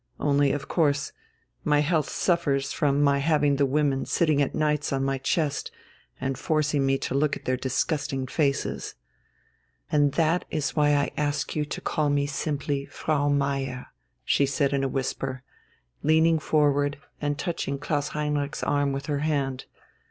Only of course my health suffers from my having the women sitting at nights on my chest and forcing me to look at their disgusting faces. And that is why I ask you to call me simply Frau Meier," she said in a whisper, leaning forward and touching Klaus Heinrich's arm with her hand.